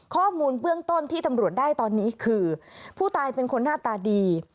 ข้อมูลเบื้องต้นที่ตำรวจได้ตอนนี้คือผู้ตายเป็นคนหน้าตาดี